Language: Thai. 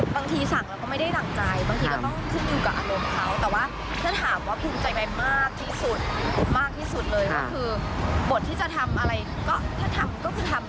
บางทีสั่งแล้วก็ไม่ได้ดั่งใจบางทีก็ต้องชื่นอยู่กับอารมณ์เขา